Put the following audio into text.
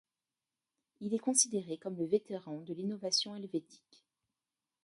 Il est considéré comme le vétéran de l'innovation helvétique.